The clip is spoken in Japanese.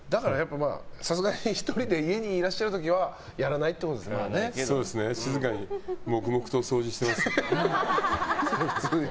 さすがに１人で家にいらっしゃる時は静かに黙々と掃除してますね。